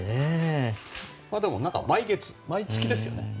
でも、毎月ですよね。